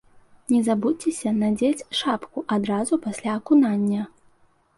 Не забудзьцеся надзець шапку адразу пасля акунання.